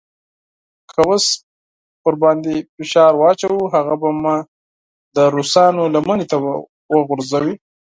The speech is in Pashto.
که اوس پرې فشار واچوو هغه به مو د روسانو لمنې ته وغورځوي.